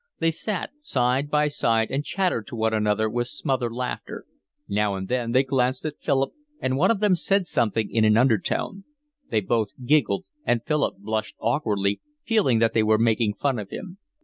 They sat side by side and chattered to one another, with smothered laughter: now and then they glanced at Philip and one of them said something in an undertone; they both giggled, and Philip blushed awkwardly, feeling that they were making fun of him.